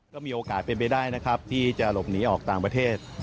ก็มีโอกาสเป็นไปได้นะครับที่จะหลบหนีออกต่างประเทศ